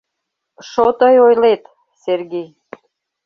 — Шо тый ойлет, Сергий.